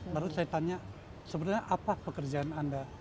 baru saya tanya sebenarnya apa pekerjaan anda